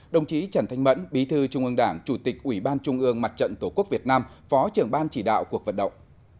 đồng chí trần thanh mẫn bí thư trung ương đảng chủ tịch ủy ban trung ương mặt trận tổ quốc việt nam phó trưởng ban chỉ đạo cuộc vận động